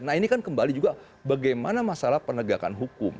nah ini kan kembali juga bagaimana masalah penegakan hukum